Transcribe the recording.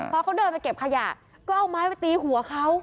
พอเขาเดินไปเก็บขยะก็เอาไม้ไปตีหัวเขา